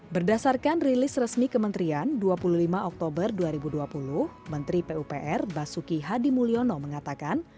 berdasarkan rilis resmi kementerian dua puluh lima oktober dua ribu dua puluh menteri pupr basuki hadi mulyono mengatakan